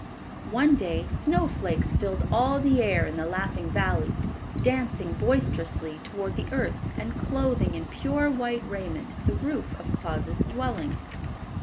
One day snowflakes filled all the air in the Laughing Valley, dancing boisterously toward the earth and clothing in pure white raiment the roof of Claus's dwelling.